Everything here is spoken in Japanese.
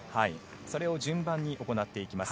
それを順番に行っていきます。